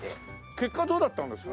結果どうだったんですか？